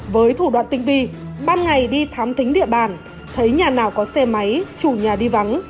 với thủ đoạn tinh vi ban ngày đi thám thính địa bàn thấy nhà nào có xe máy chủ nhà đi vắng